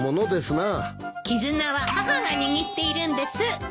絆は母が握っているんです。